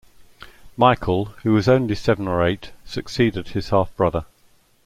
Michael, who was only seven or eight, succeeded his half-brother.